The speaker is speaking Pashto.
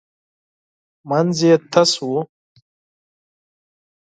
منځ یې تش و .